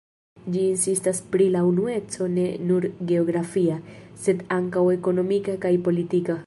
Ĝi insistas pri la unueco ne nur geografia, sed ankaŭ ekonomika kaj politika.